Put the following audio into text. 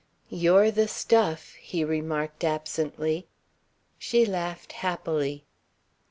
"You're the stuff," he remarked absently. She laughed happily.